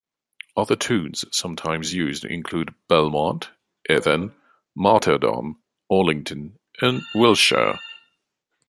Other tunes sometimes used include "Belmont", "Evan", "Martyrdom", "Orlington", and "Wiltshire.